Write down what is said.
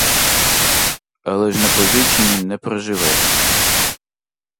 Але ж на позичені не проживеш.